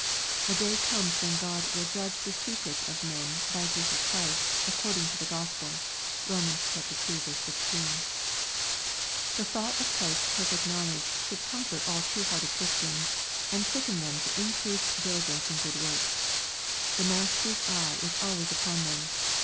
A day comes when God " will judge the secrets of men by Jesus Christ, according to the Gospel." (Rom. ii. 16.) The thought of Christ's perfect knowledge should com fort all true hearted Christians, and quicken them to increased diligence in good works. The Master's eye is always upon them.